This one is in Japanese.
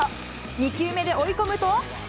２球目で追い込むと。